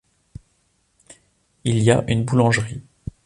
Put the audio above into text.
Il y a une boulangerie.